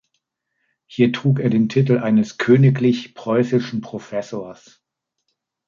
Hier trug er den Titel eines „Königlich Preußischen Professors“.